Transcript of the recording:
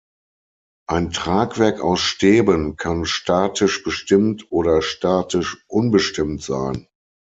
Ein Tragwerk aus Stäben kann statisch bestimmt oder statisch unbestimmt sein.